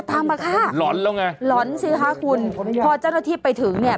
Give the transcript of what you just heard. ทำอ่ะค่ะหลอนแล้วไงหลอนสิคะคุณพอเจ้าหน้าที่ไปถึงเนี่ย